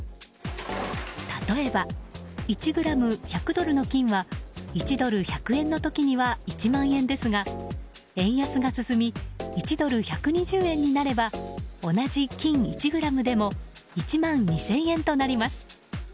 例えば、１ｇ＝１００ドルの金は１ドル＝１００円の時には１万円ですが円安が進み１ドル＝１２０円になれば同じ金１ｇでも１万２０００円となります。